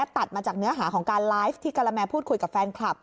ตัดมาจากเนื้อหาของการไลฟ์ที่กะละแมพูดคุยกับแฟนคลับ